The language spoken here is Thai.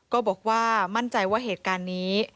ก็บอกว่ามั่นใจว่าเหตุการณ์นี้